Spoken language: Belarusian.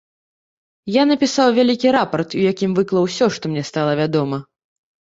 Я напісаў вялікі рапарт, у якім выклаў усё, што мне стала вядома.